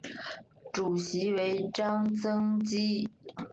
主席为张曾基。